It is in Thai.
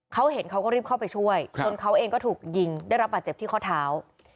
เขาเห็นเขาก็รีบเข้าไปช่วยจนเขาเองก็ถูกยิงได้รับบาดเจ็บที่ข้อเท้า